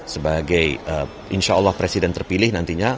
sebagai insya allah presiden terpilih nantinya